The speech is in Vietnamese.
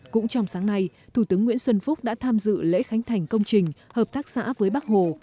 cũng trong sáng nay thủ tướng nguyễn xuân phúc đã tham dự lễ khánh thành công trình hợp tác xã với bắc hồ